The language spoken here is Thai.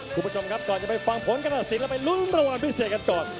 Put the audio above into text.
คุณผู้ชมครับก่อนจะไปฟังผลการตัดสินแล้วไปลุ้นรางวัลพิเศษกันก่อน